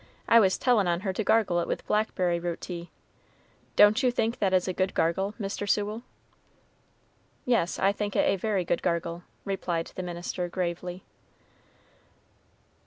I was tellin' on her to gargle it with blackberry root tea don't you think that is a good gargle, Mr. Sewell?" "Yes, I think it a very good gargle," replied the minister, gravely.